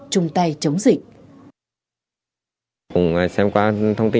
đường tây chống dịch